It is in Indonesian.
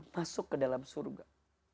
masuk ke dalam surga